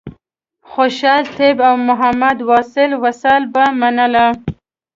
خوشحال طیب او محمد واصل وصال به منله.